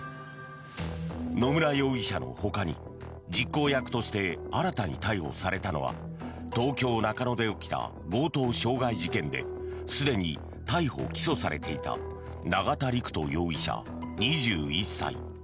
野村容疑者のほかに実行役として新たに逮捕されたのは東京・中野で起きた強盗傷害事件ですでに逮捕・起訴されていた永田陸人容疑者、２１歳。